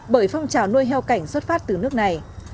bởi phong trào nuôi heo cảnh xuất phát từ nước này